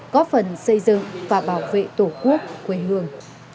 góp phần xây dựng và bảo vệ tổ quốc quê hương